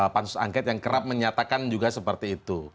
pansus angket yang kerap menyatakan juga seperti itu